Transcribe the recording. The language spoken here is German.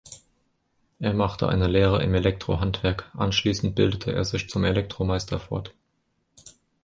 Er machte eine Lehre im Elektrohandwerk, anschließend bildete er sich zum Elektromeister fort.